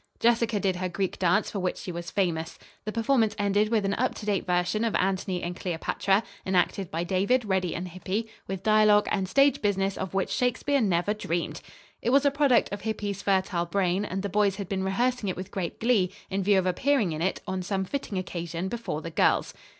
Jessica did her Greek dance for which she was famous. The performance ended with an up to date version of "Antony and Cleopatra," enacted by David, Reddy and Hippy, with dialogue and stage business of which Shakespeare never dreamed. It was a product of Hippy's fertile brain, and the boys had been rehearsing it with great glee, in view of appearing in it, on some fitting occasion, before the girls.